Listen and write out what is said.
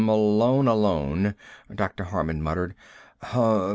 "Malone alone," Dr. Harman muttered.